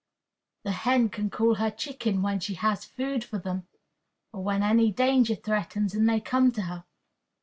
The hen can call her chickens when she has food for them, or when any danger threatens, and they come to her.